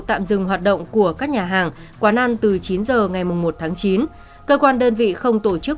tạm dừng hoạt động của các nhà hàng quán ăn từ chín h ngày một tháng chín cơ quan đơn vị không tổ chức